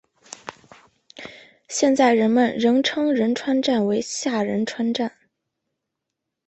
现在人们仍称仁川站为下仁川站。